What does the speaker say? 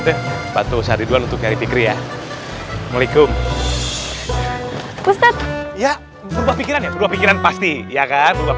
tadi ustaziduan kemana arahnya ya